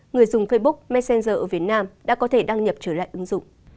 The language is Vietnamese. người dùng facebook messenger ở việt nam đã có thể đăng nhập trở lại ứng dụng